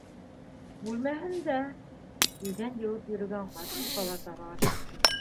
Бүлмәһендә, - иҙән йыуып йөрөгән ҡатын палатаға ашыҡты.